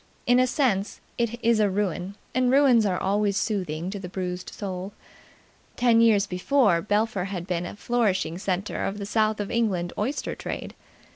In a sense, it is a ruin, and ruins are always soothing to the bruised soul. Ten years before, Belpher had been a flourishing centre of the South of England oyster trade.